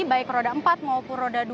baik roda empat maupun roda dua